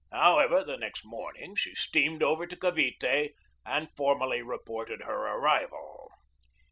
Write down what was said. However, the next morning she steamed over to Cavite and for mally reported her arrival.